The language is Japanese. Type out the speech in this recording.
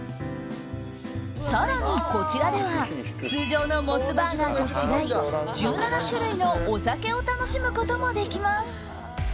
更に、こちらでは通常のモスバーガーと違い１７種類のお酒を楽しむことができます。